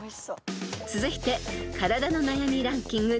［続いて体の悩みランキング